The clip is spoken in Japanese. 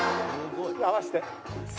合わせて。